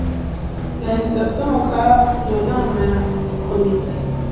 Yahise asohoka mu nama ya komite.